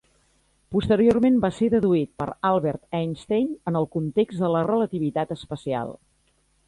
Posteriorment va ser deduït per Albert Einstein en el context de la relativitat especial.